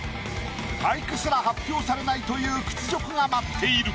俳句すら発表されないという屈辱が待っている。